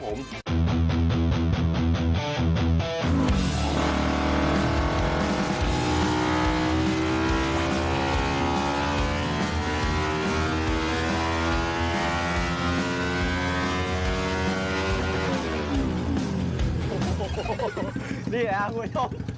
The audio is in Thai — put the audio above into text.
โอ้โฮนี่คืออาหารผู้ชม